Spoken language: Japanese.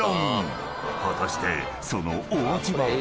［果たしてそのお味は？］